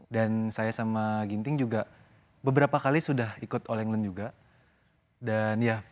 dan saya sama ginting juga beberapa kali sudah ikut all england juga dan ya